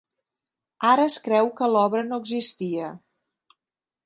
Ara es creu que l'obra no existia.